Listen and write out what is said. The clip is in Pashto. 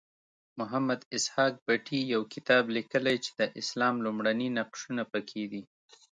محمد اسحاق بټي یو کتاب لیکلی چې د اسلام لومړني نقشونه پکې دي.